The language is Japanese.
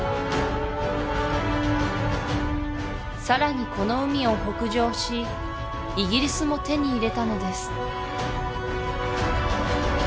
さらにこの海を北上しイギリスも手に入れたのです